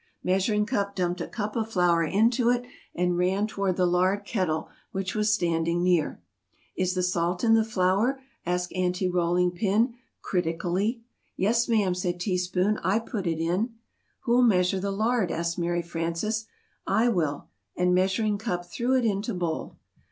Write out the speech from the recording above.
] Measuring Cup dumped a cup of flour into it, and ran toward the lard kettle, which was standing near. "Is the salt in the flour?" asked Aunty Rolling Pin, crit i cal ly. "Yes, ma'am," said Tea Spoon, "I put it in." "Who'll measure the lard?" asked Mary Frances. "I will!" and Measuring Cup threw it into Bowl.